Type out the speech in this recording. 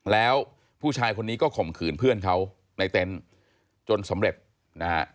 แล้วผู้ชายคนนี้ก็ข่มขืนเพื่อนเขาในเต็นต์จนสำเร็จนะฮะ